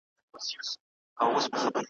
دا وطن به همېشه اخته په ویر وي ,